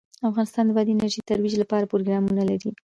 افغانستان د بادي انرژي د ترویج لپاره پروګرامونه لري.